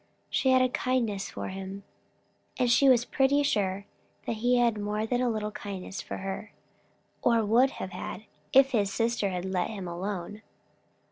She had a kindness for him, and she was pretty sure he had more than a kindness for her, or would have had, if his sister had let him alone.